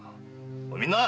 おいみんな！